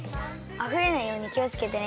あふれないようにきをつけてね。